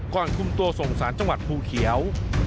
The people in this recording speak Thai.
คุมตัวส่งสารจังหวัดภูเขียว